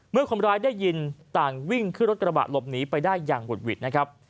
เมื่อคนร้ายได้ยินต่างวิ่งขึ้นรถกระบะหลบหนีไปได้อย่างหุดหวิดนะครับ